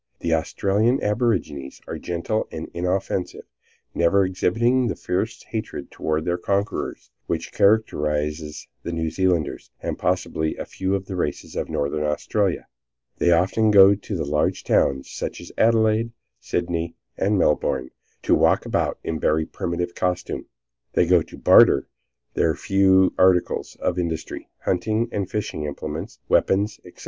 The Australian aborigines are gentle and inoffensive, never exhibiting the fierce hatred toward their conquerors which characterizes the New Zealanders, and possibly a few of the races of Northern Australia. They often go to the large towns, such as Adelaide, Sydney and Melbourne, and walk about in very primitive costume. They go to barter their few articles of industry, hunting and fishing implements, weapons, etc.